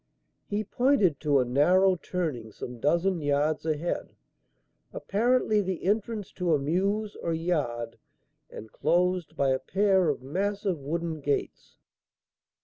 He pointed to a narrow turning some dozen yards ahead, apparently the entrance to a mews or yard and closed by a pair of massive wooden gates.